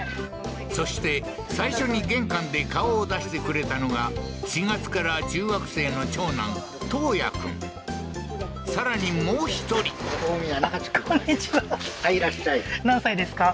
そして最初に玄関で顔を出してくれたのが４月から中学生のさらにもう１人はいいらっしゃい何歳ですか？